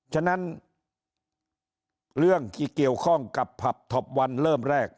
ฉะนั้นเรื่องที่เกี่ยวข้องกับผับท็อปวันเริ่มแรก